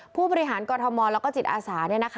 ผู้บริหารกรทมแล้วก็จิตอาสา